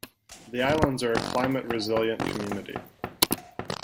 The islands are a Climate resilient community.